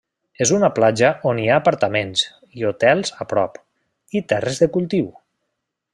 És una platja on hi ha apartaments i hotels a prop, i terres de cultiu.